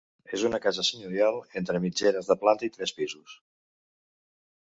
És una casa senyorial entre mitgeres de planta i tres pisos.